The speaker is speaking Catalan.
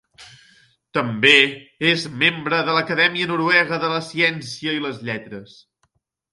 També és membre de l'Acadèmia Noruega de la Ciència i les Lletres.